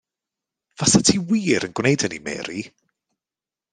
Fasat ti wir yn gwneud hynny Mary?